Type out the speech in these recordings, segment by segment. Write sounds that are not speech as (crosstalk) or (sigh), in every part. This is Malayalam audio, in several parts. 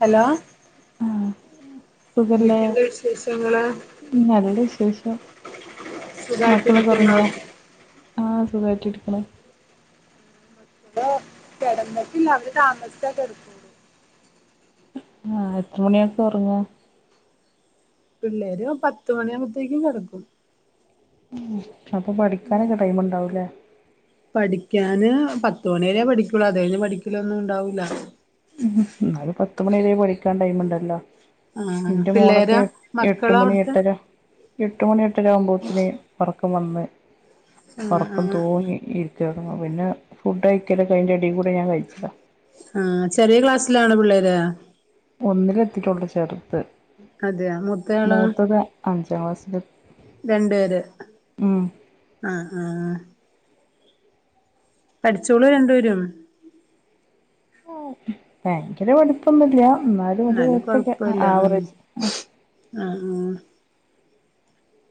ഹലോ ആഹ് സുഖല്ലേ എന്തൊക്കെയുണ്ട് വിശേഷങ്ങള് നല്ല വിശേഷം മക്കളൊക്കെ സുഖായിട്ടിരിക്കുന്നോ ഒറങ്ങിയാ? ആഹ് സുഖായിട്ടിരിക്കുന്നു കിടന്നട്ടില്ല അവര് താമസിച്ചെ കിടക്കു ആഹ് എത്ര മണിയാക്കാെർങ്ങും പിള്ളേര് പത്ത് മണ്യാവ്മ്പത്തേക്കും കെടക്കും ഉം അപ്പൊ പഠിക്കാനൊക്കെ ടൈമ്ണ്ടാവുലേ പഠിക്കാന് പത്തുമണി വരേ പഠിക്കുള്ളു അത് കഴിഞ്ഞ് പഠിക്കല ഒന്നും ഉണ്ടാവൂല്ല ഉം ന്നാലും പത്ത്മണി വെരെ പഠിക്കാൻ ടൈമ്ണ്ടെല്ലോ ആഹ് ഇന്റെ പിള്ളേരാ മോളൊക്കെ എ എട്ട് മക്കളാ മണി അവിടുത്തെ എട്ടര എട്ട് മണിട്ടെര ആകുമ്പോത്തന് ഉറക്കം വന്ന് ആഹ് ഉറക്കം ആഹ് തൂങ്ങി ഇരി ക്കെടങ്ങും പിന്നെ ഫുഡയ്ക്കലാെക്കെ അയ്ന്റെ എടീ കൂടെ ഞാ കയ്ച്ചലാ ആഹ് ചെറിയ ക്ലാസ്സിലാണാേ പിള്ളേര് ഒന്നിലെത്തീട്ടാെള്ളു ചെർത് അതെയോ മൂത്തയാളോ മൂത്തത് അഞ്ചാം ക്ലാസ്സ്ലും രണ്ടേര് ആഹ് ആഹ് പഠ്‌ച്ചോളും രണ്ടുപേരും (unintelligible) ഭയങ്കര പഠിപ്പൊന്നുല്ല എന്നാലും വലിയ കൊയപ്പമില്ല കൊഴപ്പല്ല ഉം ആവറേജ് ആ ആഹ് ഹാ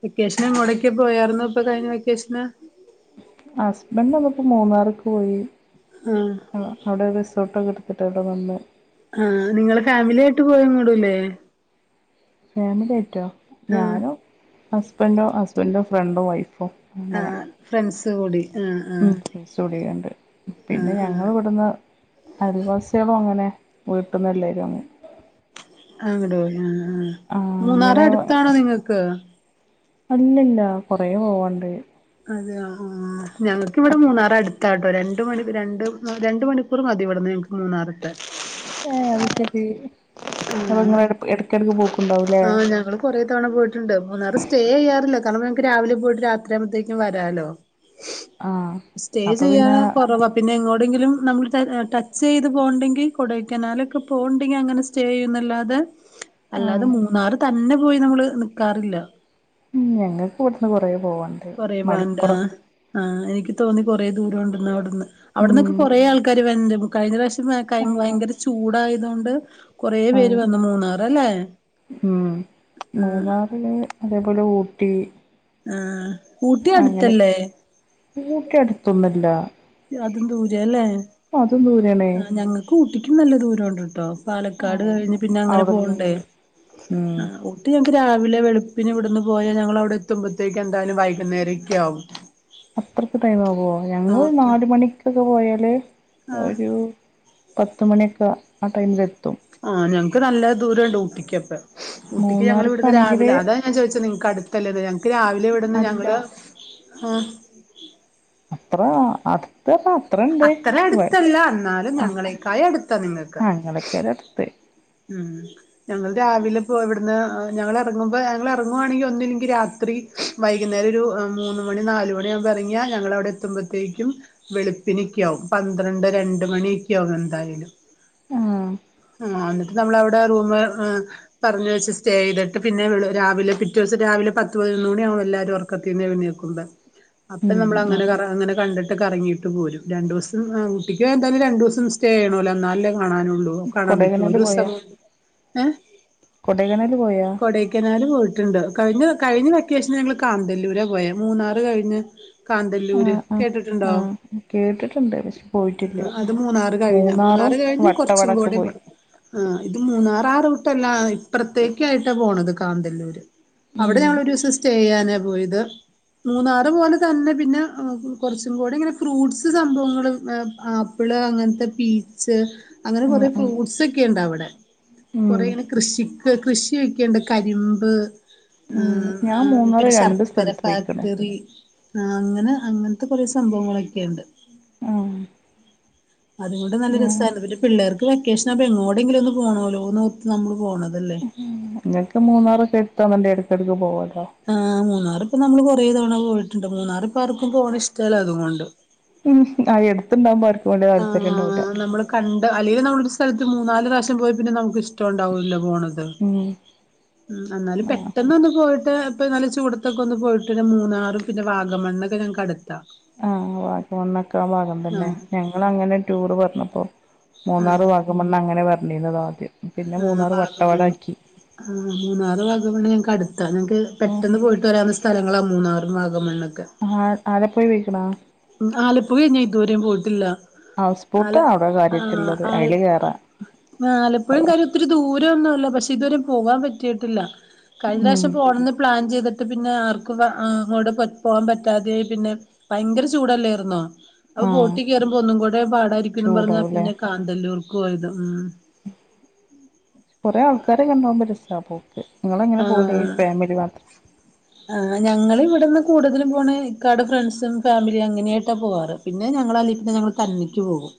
വെക്കേഷന് മോടക്ക പോയരുന്നോ ഇപ്പൊ കഴിഞ്ഞ വെക്കേഷന് ഹസ്ബൻ്റ് അന്നപ്പോ മൂന്നാറിക്കെ പോയി ആഹ് ആഹ് അവിടെ റിസോട്ടൊക്കെടുത്തിട്ടിടെ വന്നെ ആഹ് നിങ്ങള് ഫാമിലി ആയിട്ട് പോയങ്ങടൂല്ലേ ഫാമിലി ആയിറ്റോ ആഹ് ഞാനോ ഹസ്ബൻഡോ ഹസ്ബൻഡോ ഫ്രണ്ടും വൈഫും അങ്ങനെ ആഹ് ഫ്രണ്ട്സ് കൂടി ആഹ് (unintelligible) ആഹ് ആഹ് ആഹ് ഞങ്ങൾ ഇവിടുന്ന് ആദിവാസികളും അങ്ങനെ വീട്ടുന്ന എല്ലാവരും അങ്ങ് അങ്ങട് ആഹ് ആഹ് അങ്ങനെ മൂന്നാറടുത്താണോ നിങ്ങക്ക് അല്ലല്ല കൊറെ പോവാണ്ട് അതെയാ ആഹ് ഞങ്ങക്കിവിടെ മൂന്നാറട് ത്താട്ടോ രണ്ട് മണി രണ്ട് രണ്ട് മണിക്കൂറ് മതിവിടന്ന് ഞങ്ങൾക്ക് മൂന്നാറ് ത്താൻ ഏ അത് ശെരി അപ്പ ആഹ് നിങ്ങളെടക് എടക്കെക്കെടക്ക് പോക്കുണ്ടാവൂല്ലേ കുറെേ തവണ പോയിട്ടുണ്ട്. മൂന്നാർ സ്റ്റേ ചെയ്യാറില്ല. കാരണം, ഞങ്ങക്ക് രാവിലെ പോയിട്ട് രാത്രി ആകുമ്പഴത്തെ ക്കും വരാല്ലോ? ആഹ് സ്റ്റേ, അപ്പൊ ചെയ്യാന പിന്നെ കൊറവ. പിന്നെ, എങ്ങോടെങ്കിലും നമ്മൾ ട ട്ടച്ച് ചെയ്ത് പോക്ണ്ടെങ്കി കൊടൈക്കനാലൊക്കെ പോക്ണ്ടെങ്കി, അങ്ങനെ സ്... ചെയ്യുന്നല്ലാതെ അല്ലാതെ ആഹ് മൂന്നാറ് തന്നെ പോയി നമ്മള് നിക്കാറില്ല ഉം, ഞങ്ങക്ക് വിട്ന്ന് കൊറേ പോവാണ്ട്. കൊറേ പാണ്ടാ! മലപ്പുറം ആഹ് എനിക്ക് തോന്നി കൊറെ ദൂരം ഉണ്ടന്ന് അവിടുന്ന് അവിടന്നൊക്കെ ഉം കൊറേ ആൾക്കാര് വര്ണ് ണ്ട് കഴിഞ്ഞ പ്രാവശ്യം ആണോ ഭയങ്കര ചൂടായതുകൊണ്ട് കൊറെ പേര് ആഹ് വന്നു മൂന്നാറല്ലേ ആഹ് ഉം മൂന്നാറില് അതേപോലെ ഊട്ടി. ആഹ് അങ്ങനെ ഊട്ടി അടുത്തൊന്നു അല്ല. അതും ദൂരയാ അല്ലേ. അതും ദൂരയാണേ. ആഹ് ഞങ്ങൾക്ക് ഊട്ടിക്കും നല്ല ദൂരം ഉണ്ട് ട്ടോ. പാലക്കാട് ആഹ് കഴിഞ്ഞ് പിന്നെ അങ്ങനെ അവിടന്ന് പോണ്ടേ ഇങ്ങണ്ട് ഉം അ ഒ ഞങ്ങക്ക് രാവിലെ വെള്പ്പിന് ഇവിട്ന്ന് പോയാ ഞങ്ങളവ്ടെ എത്തുമ്പത്തേക്ക് എന്തായാലും വൈകുന്നേരെക്കെ ആവും അത്രയ്ക്ക് ടൈം ആവോ, ഞങ്ങൾ ഒരു നോർത്ത് നാല് മണിക്കൊക്കെ പോയാല് ആഹ് ഒരു പത്ത് മണിയൊക്കാ ആ ടൈമ്‌ലെത്തും ആഹ് ഞങ്ങക്ക് നല്ല ദൂരംണ്ട് ഊട്ടിക്കപ്പെ ഊട്ടിക്ക് ഞങ്ങള് ഇവിട്ന്ന് മൂന്നാർക്കാണെങ്കില് രാവിലെ അതാ ഞാൻ ചോയ്ച്ചെ നിങ്ങക്ക് അട്ത്തല്ലേന്ന് ഞങ്ങക്ക് രാവിലെ ഇവിട്ന്ന് നല്ല ഞങ്ങള് ആഹ് അത്ര അത്. അത്ര ഇണ്ട്, അത്ര അടുത്തല്ല എന്നാലും ആഹ് ഞങ്ങളെക്കായി അടുത്താ ആഹ് അങ്ങനൊക്കെ ഒര് അടുത്ത്. ആഹ് ഞങ്ങൾ രാവിലെ പ്പോ ഇവ്ട്ന്ന് ഞങ്ങളെറങ്ങുമ്പോ ഞങ്ങള് എറങ്ങുവാണെങ്കി ഒന്നില്ലെങ്കി രാത്രി വൈകുന്നേരൊരു മൂന്നു മണി നാല് മണി ആകുമ്പോ എറങ്ങ്യാ ഞങ്ങളവ്ടെ എത്തുമ്പത്തേക്കും വെള്പ്പിനൊക്ക്യാവും പന്ത്രണ്ട് രണ്ട് മണി ഒക്ക്യെ ആവും എന്തായാലും ആഹ് ആഹ് എന്നിട്ട് നമ്മളവിടെ റൂമ് ഏഹ് പറഞ്ഞ് വെച്ച് സ്റ്റേയ്തിട്ട് പിന്നെ വെളു രാവിലെ പിറ്റേസം രാവിലെ പത്ത് പതിനൊന്ന് മണി ആവും എല്ലാവരും ഒർക്കത്തീന്ന് എഴ്ന്നേക്ക്മ്പ ഉം അപ്പം നമ്മൾ അങ്ങനെ, അങ്ങനെ കണ്ടിട്ട് കറങ്ങി ട്ട് പോരും രണ്ടൂസം ഏഹ് ഊട്ടിക്ക് പോയ എന്തായാലും രണ്ടൂസം സ്റ്റേ ചെയ്യണല്ലോ എന്നാലല്ലേ കാണാനാെള്ളൂ. കാണാൻ പറ്റോ, കൊടൈക്കനാല് ഒരു ദിവസം കൊണ്ട്. കൊടെയ്ക്കനാല് പോയോ? കൊടൈക്കനാല് പോയിട്ട്ണ്ട് കഴിഞ്ഞ കഴിഞ്ഞ വെക്കേഷന്ന് ഞങ്ങൾ കാന്തല്ലൂരാ പോയേ മൂന്നാറ് കഴിഞ്ഞ് കാന്തല്ലൂര് ആഹ് ആഹ് കേട്ടിട്ട്ണ്ടോ ആഹ് കേട്ടിട്ടുണ്ട് പക്ഷെ പോയിട്ടില്ല അത് മൂന്നാറ് കഴിഞ്ഞ് മൂന്നാറും മൂന്നാറ് കഴിഞ്ഞ് കൊർച്ചും വട്ടവടക്ക് കൂടി പോയി പോണം ആഹ് ഇത് മൂന്നാറ് ആ റൂട്ടല്ലാ ഇപ്പ്ർത്തേക്കായിട്ടാ പോണത് കാന്തല്ലൂര് അവിടെ ഉം ഞങ്ങളൊരു ദിവസം സ്റ്റേ ചെയ്യാനാ പോയത്. മൂന്നാറ് പോലെ തന്നെ, പിന്നെ കുറച്ചും കൂടെ ഇങ്ങനെ ഫ്രൂട്ട്സ് സംഭവങ്ങള് ഉം, ആ പ്പിള് അങ്ങൻത്തെ പീ (unintelligible) അങ്ങനെ ആഹ് കുറേ ആഹ് ഫ്രൂട്ട്സ് ഒക്കെ ഉണ്ട് അവിടെ ഉം കുറ ഇങ്ങനെ കൃഷി കൃഷിയൊക്കെയാെണ്ട് കരിമ്പ് ഉം ആഹ് ഞാൻ ആഹ് മൂന്നാറ് പിന്നെ രണ്ട് ശർക്കര സ്ഥലത്ത് പോയിക്ക്ണ് ഫാക്ടറി ആഹ് അങ്ങനെ അങ്ങൻത്തെ കൊറേ സംഭവങ്ങളൊക്കെയ്ണ്ട് ആഹ് അത്കൊണ്ട് നല്ല ഉം രസായ്ര്ന്നു പിന്നെ പിള്ളേർക്ക് വെക്കേഷനാപ്പൊ എങ്ങോട്ടെങ്കിലൊന്ന് പോണോല്ലോന്നാേർത്ത് നമ്മള് പോണതല്ലേ നിങ്ങക്ക് മൂന്നാറൊക്കെ എടുത്താനല്ലേ ഇടക്കിടക്ക് പോവല്ലോ. ആ മൂന്നാർ ഇപ്പ നമ്മള് കൊറേ തവണ പോയിട്ടുണ്ട്, മൂന്നാർ ഇപ്പ ആർക്കും പോണ ഇഷ്ടമല്ല അതുകൊണ്ട്. ഉം, ആഹ് അടുത്തുണ്ടാവുമ്പോ ആർക്കും വലിയ താല്പര്യം ഉണ്ടാവില്ല. കണ്ട് അല്ലെങ്കിലും നമ്മളൊരു സ്ഥൽത്ത് മൂന്നാല് പ്രാശ്യം പോയാ പിന്നെ നമുക്ക് ഇഷ്ടം ഉണ്ടാവൂല്ലല്ലോ പോണത് ഉം ഉം എന്നാല് പെട്ടെന്ന് ഒന്ന് പോയിട്ട് ഇപ്പ നല്ല ചൂടത്തൊക്കെ ഒന്ന് പോയിട്ട് വരാൻ മൂന്നാറും. പിന്നെ വാഗമണ്ണൊക്കെ ഞങ്ങക്ക് അടുത്താ. ആ വാഗമണ്ണൊക്കെ ആ ഭാഗം തന്നെ ആഹ് ഞങ്ങള് അങ്ങനെ ടൂറ് വന്നപ്പോ മൂന്നാറ്, ആഹ് വാഗ ഗമണ്ണ് അങ്ങെനെ പർഞ്ഞീര്ന്നത് ആദ്യം പിന്നെ ആഹ് മൂന്നാർ വാഗമണ്ണ് വട്ടവടാക്കി ആഹ് മൂന്നാറ്, വാഗമണ്ണ് ഞങ്ങക്ക് അടുത്താ ഞങ്ങക്ക് ഉം പെട്ടെന്ന് പോയിട്ട് വരാവുന്ന സ്ഥ സ്ഥലങ്ങളാ മൂന്നാറും വാഗമണ്ണൊക്കെ ആഹ് ആലപ്പുഴ പൊയ്ക്ക്ണോ ഉം ആലപ്പുഴ ഞാനിതുവരെയും പോയിട്ടില്ല ഹൗസ് ആല ബോട്ടാ അവിടെ ആ കാര്യായിട്ടുള്ളത് ആല അയില് കേറാ ആലപ്പുഴ കാര്യം ഒത്തിരി ദൂരയൊന്നുല്ല പക്ഷെ ഇത് വരേം പോകാൻ പറ്റിയിട്ടില്ല കഴിഞ്ഞ ഉം വർഷം പോണന്ന് പ്ലാൻ ചെയ്ത് പിന്നെ ആർക്കും അ അങ്ങോട് പ പോകാൻ പറ്റാതായി പിന്നെ ഭയങ്കര ചൂടല്ലേര്ന്നോ അത് ആഹ് ബോട്ടി കേറുമ്പോ ഒന്നും കൂടെ പാടായിരിക്കുംന്ന് പറഞ്ഞാ ചൂടാവൂല്ലേ പിന്നെ കാന്തല്ലൂർക്ക് പോയത് ഉം കൊറെേ ആൾക്കാരൊക്കെണ്ടാവുമ്പൊ രസാ പോക്ക് ഇങ്ങളെങ്ങനെ പോല് ആഹ് ഫാമിലി മാത്ര ആഹ് ഞങ്ങള്‌ വ്ടെന്ന് കൂടുതലും പോണ് ഇക്കാടെ ഫ്രണ്ട്സും ഫാമിലിയും അങ്ങനെയായിട്ടാ പോവാറ് പിന്നെ ഞങ്ങളല്ലെ പിന്നെ ഞങ്ങള് തന്നെക്ക് പോകും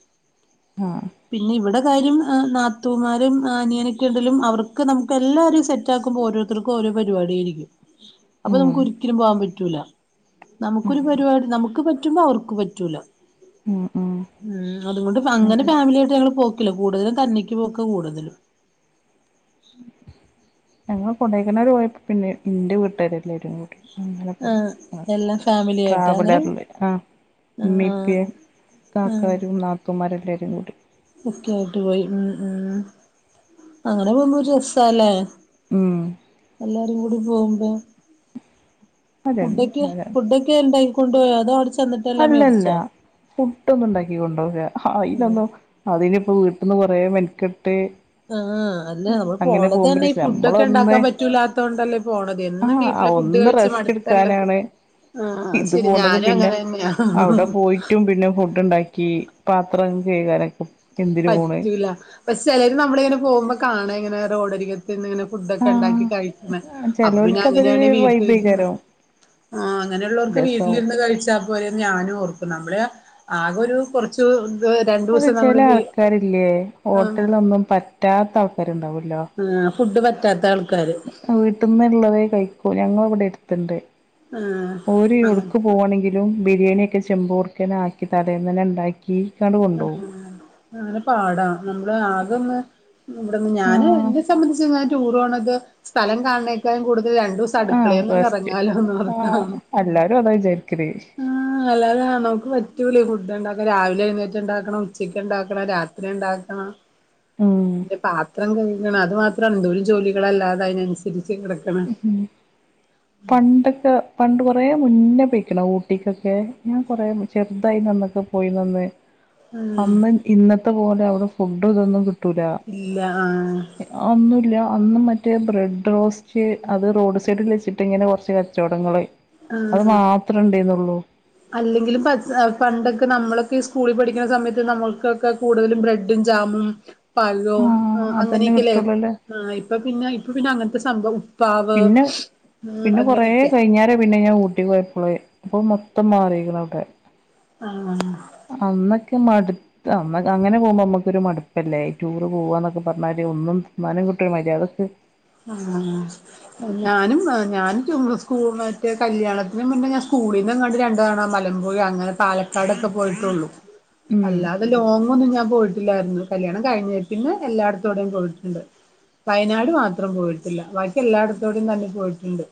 ആഹ് പിന്നിവിടെ കാര്യം അ നാത്തൂമാരും അനിയനൊക്കെണ്ടേലും അവർക്ക് നമുക്കെല്ലാരും സെറ്റ് റ്റാക്കുമ്പോ ഓരോരുത്തർക്കോരോ പരിപാടിയായിര്ക്കും അപ്പൊ ഉം നമുക്കൊരിക്കലും പോകാൻ പറ്റൂല നമ്ക്കൊരു പരിപാടി നമുക്ക് പറ്റുമ്പോ അവർക്ക് പറ്റൂല ഉം ഉം ഉം അതുകൊണ്ട് അങ്ങനെ ഫാമിലിയായിട്ട് ഞങ്ങള് പോക്കില്ല കൂടുതലും തന്നെക്ക് പോക്കാ കൂടുതല് ഞങ്ങള് കൊടൈക്കനാല് പോയപ്പൊ പിന്നെ ഇന്റെ വീട്ടേരെല്ലാരും കൂടി അങ്ങനെ പോയി ആഹ് അ എല്ലാം ഫാമിലി ആയിട്ട് അങ്ങനെ ട്രാവലറ്ല് അ ആഹ് ആഹ് ഇമ്മിപ്പേ കാക്കാരും നാത്തൂമാരെല്ലാരും കൂടി ഒക്കെയായിട്ട് പോയി ഉം ഉം അങ്ങനെ പോകുമ്പൊരു രസാല്ലേ ഉം എല്ലാരും കൂടി പോകുമ്പോ ഫുഡ്ഡൊക്കെ അതന്നെ അതാണ് ഫുഡ്ഡൊക്കെന്തായി കൊണ്ടോയോ അതോ അവ്ടെ ചെ അല്ലല്ല ഫുഡ്ഡൊന്നുണ്ടാക്കി കൊണ്ടോകൂല ഉം അയ്ലൊന്നു അതിന്പ്പൊ വീട്ട്ന്ന് കൊറേ മെൻകെട്ട് ആഹ് അല്ല നമ്മള് പോണതന്നെ ഈ നമ്മളൊന്ന് ഫുഡ്ഡൊക്കെണ്ടാക്കാൻ പറ്റൂലാത്തതോണ്ടല്ലേ പോണത് എന്നും ആഹ് വീട്ടിലെ ഫുഡ് ഒന്ന് കഴിച്ച് റെസ്റ്റ് മട്ത്ത ല്ലൊ എടുക്കാനാണ് ആഹ് ഇത് അത്ശെരി പോണത് ഞാനും പിന്നെ അങ്ങനെ ന്നയാ അവിടെ പോയിട്ടും പിന്നെ ഫുഡ്ഡ്ണ്ടാക്കി പാത്രം കൈകലൊക്കെ പറ്റൂല പക്ഷെ ചെലര് നമ്മള്ങ്ങനെ പോകുമ്പൊ കാണങ്ങനെ റോഡരികത്ത് ഇര്ന്ന്ങ്ങനെ ഫുഡ്ഡൊക്കെണ്ടാക്കി ആഹ് കഴിക്ക്ണ് അപ്പൊ ചെലോൽക്കതൊരു പിന്നങ്ങനെയാണെ വീട്ടില്‌ര്ന്ന് വൈബേക്കാരം ആഹ് അങ്ങനെള്ളോർക്ക് രസാവും വീട്ടിലിര്ന്ന് കഴിച്ചാ പോരേന്ന് ഞാനും ഓർക്കും നമ്മള് ആ കൊരു കുറച്ച് ത് രണ്ടൂസം നമ്മള് വീ ആൾക്കാര്ല്ലേ ആഹ് ഹോട്ടൽന്നൊന്നും പറ്റാത്താൾക്കാര്ണ്ടാവല്ലോ ആഹ് ഫുഡ് പറ്റാത്താൾക്കാര് വീട്ട്ന്ന്ള്ളതേ കഴിക്കൂ ഞങ്ങളിവിടെ ട്ത്ത്ണ്ട് ആഹ് ഓര് അങ്ങനെ എവ്ട്ക്ക് പോവാണെങ്കി ലും ബിരിയാണിയൊക്കെ ചെമ്പോട് ക്കെനാക്കി തലേന്നെന്നെണ്ടാക്കി (unintelligible) ആഹ് അങ്ങനെ പാടാ നമ്മള് ആകൊന്ന് ഇവിടന്ന് ഞാന് ആഹ് ഇന്നെ സംബന്ധിച്ച് ഇങ്ങനെ ടൂറോണത് സ്ഥലം കാണേക്കായും കൂടുതല് ഒരൂസം ആഹ് വേസ്റ്റ് അട്ക്കളേന്നൊന്നെറങ്ങാലോന്നോർത്താ ആഹ് എല്ലാരും അതാ വിചാരിക്കല് ആഹ് ആഹ് അല്ലാതെ നമുക്ക് പറ്റൂലെയ് ഫുഡ്ണ്ടാക്കാന് രാവിലെയ്‌ന്നേറ്റ് ഡ്ഡ്ണ്ടാക്കണം ഉച്ചക്ക്ണ്ടാക്കണം രാത്രിണ്ടാക്കണം ഉം പിന്നെ പാത്രം കയ്കി അത് മാത്രമാണ് എന്തേലും ജോലികളല്ലാതെ അയ്നൻസരിച്ച് ഉ ഉം പണ്ടൊക്കെ പണ്ട് കൊറേ മുന്നെ പൊയ്ക്ക്ണ് ഊട്ടിക്കൊക്കെ ഞാൻ കൊറേ ചെറുതായിനന്നൊക്കെ പോയീന്നന്ന് ആഹ് അന്ന് ഇന്നത്തെ പോലെ അവ്ടെ ഫുഡ് തൊന്നും കി ഇല്ല ആഹ് ഒന്നൂല്ല അന്ന് മറ്റേ ബ്രെഡ് റോസ്റ്റ് റ്റ് അത് റോഡ് സൈഡില് വെച്ച്ട്ട്ങ്ങനെ കൊർച്ച് കച്ചോടങ്ങള് അത് ആഹ് മാത്രണ്ടെയ്നൊള്ളൂ അല്ലെങ്കിലും പ പണ്ടൊക്കെ നമ്മളൊക്കീ സ്കൂളിൽ പഠിക്ക്ണ സമയത്ത് നമ്മൾക്കൊക്കെ കൂട്തലും ബ്ര ബ്രഡും ജാമും പഴോം ആഹ് അ അതന്നെ അങ്ങനെക്കല്ലേ കിട്ടുള്ളൂല്ലേ ആ ഇപ്പൊ പിന്നെ ഇപ്പൊ പിന്നെ അങ്ങനത്തെ സംഭവം ഉപ്പാവ് കുറേ അങ്ങനെയൊക്കെ കഴിഞ്ഞേരേ പിന്നെ ഞാ ഊട്ടി പോയപോ ഇപ്പോൾ മൊത്തം മാറിയിരിക്കുന്നു അവിടെ ആ അന്നൊക്കെ മടുത്ത് അങ്ങനെ പോകുമ്പോ നമുക്കൊരു മടുപ്പല്ലേ ഈ ടൂറ് പോവാന്നൊക്കെ പറഞ്ഞാല് ഒന്നും തിന്നാനും കിട്ടൂല മര്യാതൊക്ക് ആ ഹ ഞാനും ഞാനും സ് മറ്റേ കല്യാണത്തിനന് മുന്നേ ഞാൻ സ്കൂളിൽ നിന്നങ്ങാട്ടി രണ്ട തണ മലമ്പുഴ അങ്ങനെ പാലക്കാടൊക്കെ പോയിട്ടുള്ളൂ ഉം അല്ലാതെ ലോങ്ങ ഒന്നും ഞാൻ പോയിട്ടില്ല കല്യാണം കഴിഞ്ഞട്ടന് എല്ലായിടത്തോടെയും പോയിട്ടുണ്ട് വയനാട് മാത്രം അത്രം പോയിട്ടില്ല ബാക്കി എല്ലായിടത്തോടെയും തന്നെ പോയിട്ടുണ്ട്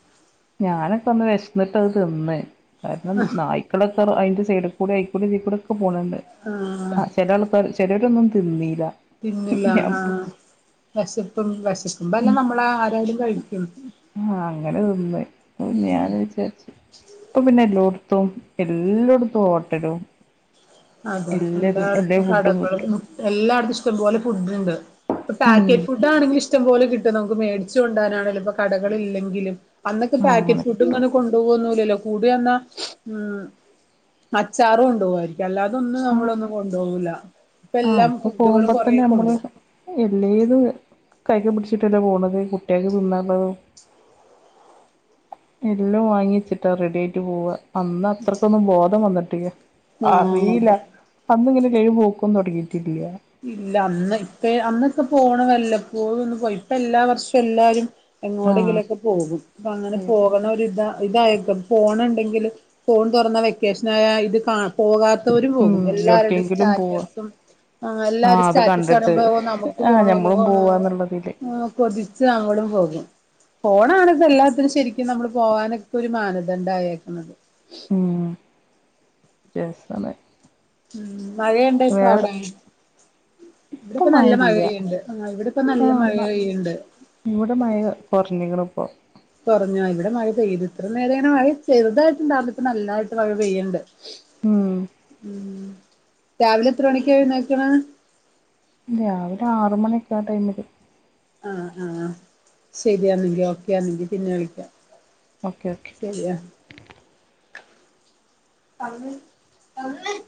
ഞാനൊക്കെ ഒന്ന് വിശന്നിട്ടത് തിന്നെ കാരണം നായി (unintelligible) അതിൻറെ സൈഡിൽ കൂടി ആയിക്കൂടക്കെ പോകുന്നുണ്ട് ആഹ ആ ചില ആൾക്കാർ ചിലവരൊന്നും തിന്നില്ല പിന്നില്ല ആ വിശപ്പും വിശക്കും അല്ല നമ്മള ആരായാലും കഴിക്കും ആ അങ്ങനെ തിന്ന് ഞാൻ വിചാരിച്ചു ഇപ്പൊ പിന്നെ എല്ലോടത്തും എല്ലായിടത്തും ഹോട്ടലും അതെ എന്ത എല്ലതും എല്ലാ അവിടു ഫുഡും കിട്ടും കടകളും എല്ലായിടും ഇഷ്ടപോലെ ഫുഡ് ഉണ്ട് ഇപ്പ ഉം പാക്കറ്റ് ഫുഡ് ആണെങ്ക ഇഷ്ടംപോലെ കിട്ടും നമക്ക് മേടിച്ചു കൊണ്ട് പോകാലോ കടകളില്ലെൻ ങ്കിലും അന്നക്കെ ആ പാക്കറ്റ് അങ്ങനെ ഫുഡ്‌ കിട്ടും ഇങ്ങനെ കൊണ്ടുപോകൊന്നല്ലോ കൂടി വന്ന ഉം അച്ചാറ കൊണ്ടുപോവമായിരിക്കും അല്ലാതെന്നും ആ നമ്മളൊന്നും കൊണ്ടുപോകൂില്ല ഇപ്പ എല്ലാം ഫുഡും കൊറേ കൊണ്ടുപോകും എല്ലാതും കൈക്ക് പിടിച്ചിട്ടല്ലേ പോകുന്നത് കുട്ടികൾക്ക് തിന്നാനുള്ളതും എല്ലാം വാങ്ങിച്ചിട്ടാ റെഡി ആയിട്ട് പോവ അന്ന് അത്രയ്ക്കൊന്നും ബോധം വന്നിട്ടില്ല ആഹ് അറിയില്ല അതെ അന്നിങ്ങനെ കഴിവ് പോക്കുംന്ന് തുടങ്ങിയിട്ടില്ല ഇല്ല അന്ന് ത്തെ അന്നൊക്കെ പോണ വല്ലപ്പോഴും ഒന്ന് പോയി ഇപ്പം എല്ലാ വർഷും എല്ലാരും ആഹ് എങ്ങോടെങ്കിലുംക്കെ പോകും അപ്പ അങ്ങനെ പോകണ ഒരിതാ ഇതായക്കും ഫോണ ഉണ്ടെങ്കിൽ ഫോൺ തുറന്ന വെക്കേഷനായ ഇത് കാ പോകാത്തവരും ഉം പോകും എല്ലാവരുടെ എവിടക്കെങ്കിലും പോവാ സ്റ്റാറ്റസും ആ ആഹ് എല്ലാരും അത് സ്റ്റാറ്റസ് കണ്ടിട്ട് കാണുമ്പോ നമുക്ക് ആഹ് ഞമ്മളും പോണല്ലോ പോവാന്നുള്ളതില് കൊതിച്ച് അങ്ങോടും പോകും ഫോണാണിത് എല്ലാത്തിനും ശരിക്കും നമ്മള് പോകാനൊക്കെ ഒരു മാനദണ്ഡ ആയേക്കുന്നത് ഉം രസാണ് ഉം മഴയണ്ട ഇപ്പ വേറെ അവിടെ ഇപ്പം ഇവിടെപ്പ നല്ല മഴ മഴല്ല പെയ്യുണ്ട് ആ ഇവിടെ ഇപ്പ നല്ല ആഹ് മഴ ന്നാ പെയ്യുണ്ട് ഇവിടെ മഴ കുറഞ്ഞുക് ണ് ഇപ്പോ കുറഞ്ഞ ഇവിടെ മഴ പെയ്തു ഇത്രയും നേരം മഴ ചെറുതായിട്ടുണ്ടായിരുന്നു ഇപ്പോ നല്ലായിട്ട് മഴ പെയ്യണ്ട് ഉം ഉം രാവിലെ എത്ര മണിക് എഴുന്നേൽക്കണം രാവിലെ ആറ മണിയൊക്കെ ആ ടൈമില് ആഹ ആഹ ശരിയാന്നെങ്കിൽ ഓക്കൊന്നെങ്കി പിന്നെ വിളിക്കാം ഓക്കെ ഓക്കെ ശരിയാ (inaudible)